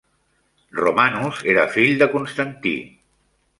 Romanus era fill de Constantí.